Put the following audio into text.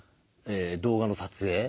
動画の撮影。